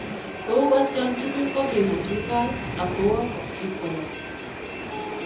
Kou atkaan tugul, koking'at mutai ak kowo ip kolapat.